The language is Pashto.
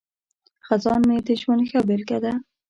خزان مې د ژوند ښه بیلګه ده.